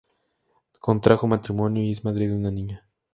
Contrajo matrimonio y es madre de una niña.